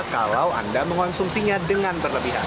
kalau anda mengonsumsinya dengan berlebihan